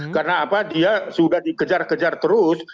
karena apa dia sudah dikejar kejar terus